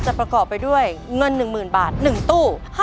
ประกอบไปด้วยเงิน๑๐๐๐บาท๑ตู้